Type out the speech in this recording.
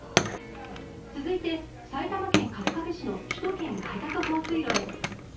続いて埼玉県春日部市の首都圏外郭放水路へ。